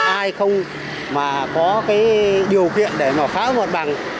ai không mà có cái điều kiện để mà phá ngọn bằng